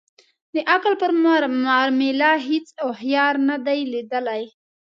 د عقل پر معامله هیڅ اوښیار نه دی لېدلی.